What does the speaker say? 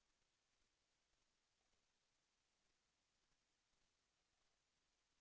แสวได้ไงของเราก็เชียนนักอยู่ค่ะเป็นผู้ร่วมงานที่ดีมาก